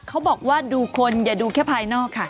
เขาบอกว่าดูคนอย่าดูแค่ภายนอกค่ะ